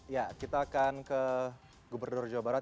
ya kita akan ke gubernur jawa barat